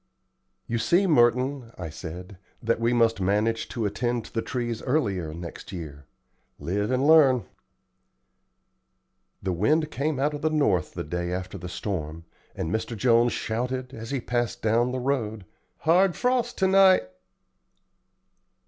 "You see, Merton," I said, "that we must manage to attend to the trees earlier next year. Live and learn." The wind came out of the north the day after the storm, and Mr. Jones shouted, as he passed down the road, "Hard frost to night!"